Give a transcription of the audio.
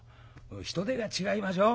人出が違いましょう。